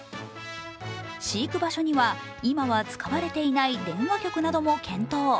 飼育場所には、今は使われていない電話局なども検討。